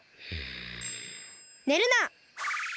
ねるな！